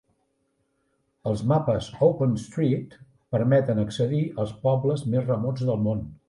Els mapes Open street permeten accedir als pobles més remots del món.